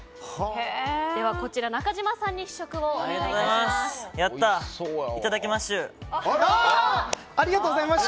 こちら中島さんに試食をお願いします。